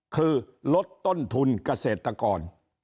คือลดต้นทุนเกษตรกร